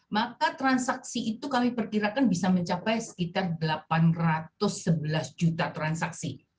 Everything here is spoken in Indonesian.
maka transaksi itu kami perkirakan bisa mencapai sekitar delapan ratus sebelas juta transaksi